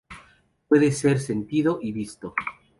Puede ser sentido y visto.